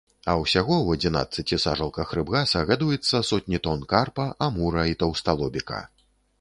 А ўсяго ў адзінаццаці сажалках рыбгаса гадуецца сотні тон карпа, амура і таўсталобіка.